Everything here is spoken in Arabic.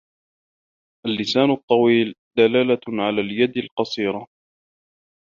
اللسان الطويل.. دلالة على اليد القصيرة.